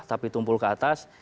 tapi tumpul ke atas